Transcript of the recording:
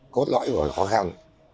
cốt lõi của khó khăn